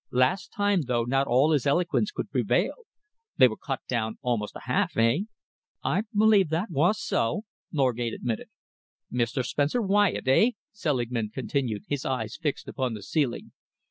Last time, though, not all his eloquence could prevail. They were cut down almost a half, eh?" "I believe that was so," Norgate admitted. "Mr. Spencer Wyatt, eh?" Selingman continued, his eyes fixed upon the ceiling.